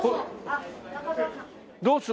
どうする？